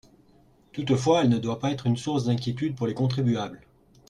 Toutefois, elle ne doit pas être une source d’inquiétude pour les contribuables.